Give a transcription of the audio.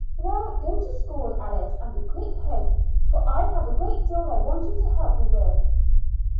"Well, go to school, Alice, and be quick home, for I have a great deal I want you to help me with."